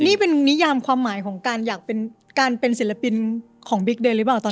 นี่เป็นนิยามความหมายของการเป็นศิลปินของบิ๊กเดยนรึเปล่าตอนนี้